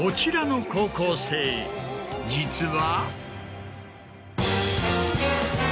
実は。